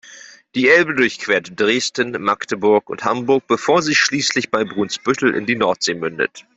Die Elbe durchquert Dresden, Magdeburg und Hamburg, bevor sie schließlich bei Brunsbüttel in die Nordsee mündet.